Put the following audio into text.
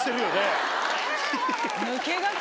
抜け駆け！